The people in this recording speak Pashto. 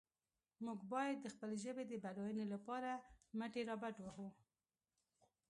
موږ باید د خپلې ژبې د بډاینې لپاره مټې رابډ وهو.